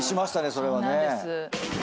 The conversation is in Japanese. それはね。